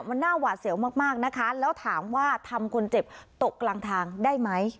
มันน่าหวาดเสียวมากนะคะแล้วถามว่าทำคนเจ็บตกกลางทางได้ไหม